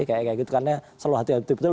karena selalu hati hati betul betul